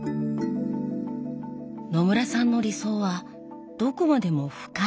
野村さんの理想はどこまでも深い色。